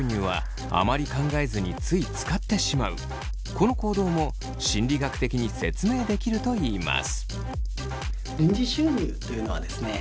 この行動も心理学的に説明できるといいます。